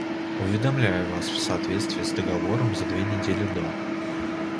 Уведомляю вас в соответствии с договором за две недели до.